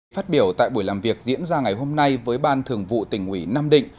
phát biểu tại buổi làm việc diễn ra ngày hôm nay với ban thường vụ tỉnh ủy nam định